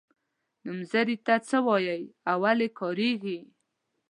نومځري څه ته وايي او ولې کاریږي.